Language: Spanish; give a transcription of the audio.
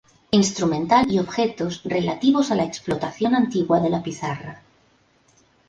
Instrumental y objetos relativos a la explotación antigua de la pizarra.